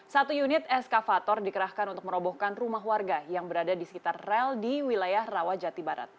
satu unit eskavator dikerahkan untuk merobohkan rumah warga yang berada di sekitar rel di wilayah rawajati barat